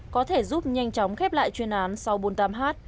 có thể giúp nhanh chóng khép lại chuyên án sáu trăm bốn mươi tám h